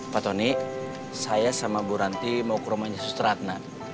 pak tony saya sama buranti mau ke rumahnya susteratna